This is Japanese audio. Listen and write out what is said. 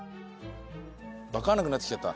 わかんなくなってきちゃった？